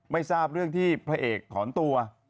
ไม่ทราบเรื่องที่พระเอกถอนตัว